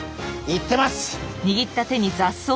いってます！